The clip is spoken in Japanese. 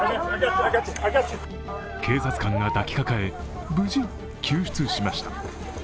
警察官が抱きかかえ、無事、救出しました。